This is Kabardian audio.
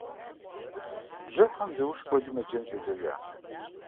Бжьыхьэм Зэур школым еджэн щӀидзэжащ.